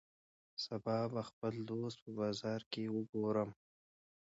سبا به خپل دوست په بازار کی وګورم